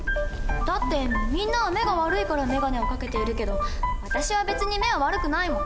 だってみんなは目が悪いからメガネをかけているけど私は別に目は悪くないもん。